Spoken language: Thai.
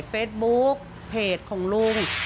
เฟซบุ๊คเพจของลุง